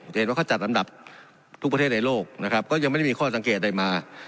เห็นว่าเขาจัดอันดับทุกประเทศในโลกนะครับก็ยังไม่ได้มีข้อสังเกตใดมา